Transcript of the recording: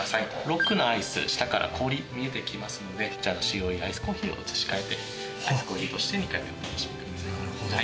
ロックのアイス下から氷見えてきますのでアイスコーヒーを移し替えてアイスコーヒーとして２回目お楽しみください。